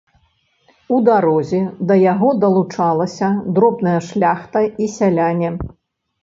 У дарозе да яго далучалася дробная шляхта і сяляне.